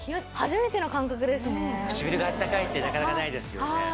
唇があったかいってなかなかないですよね。